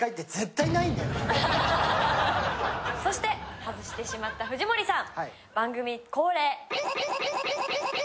そして外してしまった藤森さん。